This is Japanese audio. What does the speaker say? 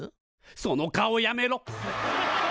その顔やめろ！